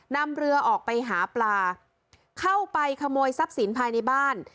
นำเรือออกไปหาปลาเข้าไปขโมยทรัพย์สินภายในบ้าน